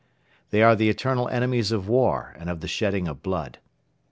They are the eternal enemies of war and of the shedding of blood.